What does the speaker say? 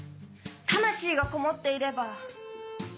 魂がこもっていれば。